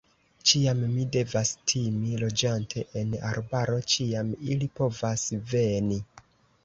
Ĉiam mi devas timi, loĝante en arbaro, ĉiam ili povas veni!